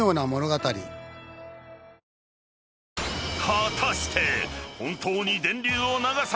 ［果たして］